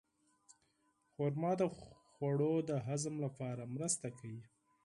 خرما د خوړو د هضم لپاره مرسته کوي.